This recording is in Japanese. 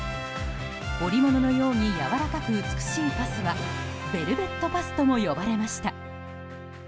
織物のようにやわらかく美しいパスはベルベットパスとも呼ばれました。